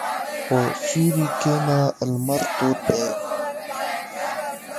په سیوري کښېنه، لمر تود دی.